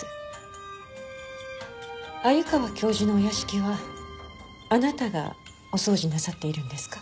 鮎川教授のお屋敷はあなたがお掃除なさっているんですか？